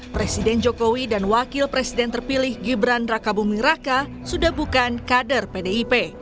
presiden jokowi dan wakil presiden terpilih gibran raka buming raka sudah bukan kader pdip